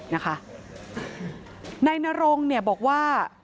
นายนารงบอกว่า